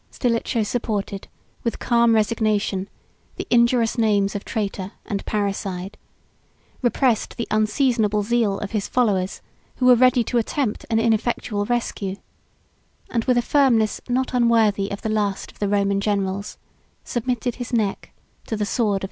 Stilicho supported, with calm resignation, the injurious names of traitor and parricide; repressed the unseasonable zeal of his followers, who were ready to attempt an ineffectual rescue; and, with a firmness not unworthy of the last of the Roman generals, submitted his neck to the sword of Heraclian.